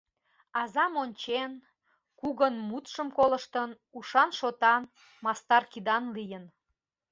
Азам ончен, кугын мутшым колыштын — ушан-шотан, мастар кидан лийын.